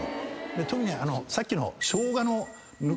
で特にさっきの。